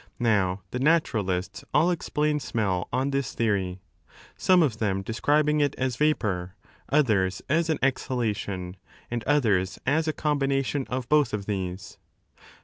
Now, the naturalists all explain smell on this theory, some of them describing it as vapour, others as an exhalation, and others as a combination of both of these.